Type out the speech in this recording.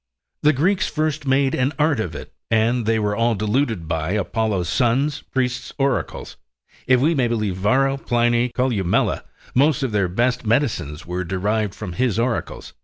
The Greeks first made an art of it, and they were all deluded by Apollo's sons, priests, oracles. If we may believe Varro, Pliny, Columella, most of their best medicines were derived from his oracles.